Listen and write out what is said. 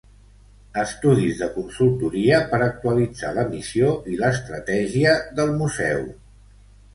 Estudis de consultoria per actualitzar la missió i l'estratègia del museu.